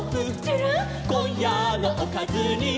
「こんやのおかずに」